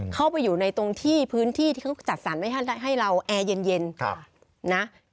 เข้าไปอยู่ในตรงที่พื้นที่ที่เขาจัดสรรไม่ให้เราแอร์เย็นนะ